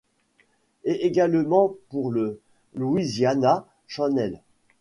Et également pour le Louisiana Channel.